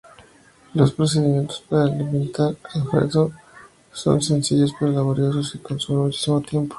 Los procedimientos para pintar al fresco son sencillos pero laboriosos, y consumen muchísimo tiempo.